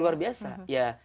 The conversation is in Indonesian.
luar biasa ya